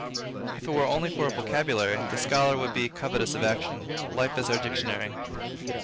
If it were only for a vocabulary, the scholar would be covetous of action. Life is our dictionary.